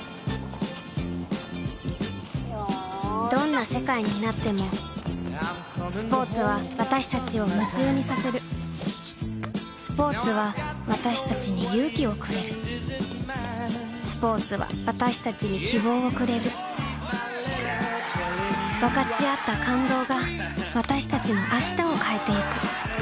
どんな世界になってもスポーツは私たちを夢中にさせるスポーツは私たちに勇気をくれるスポーツは私たちに希望をくれる分かち合った感動が私たちの明日を変えてゆく